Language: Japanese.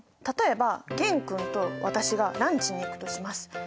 例えば玄君と私がランチに行くとします。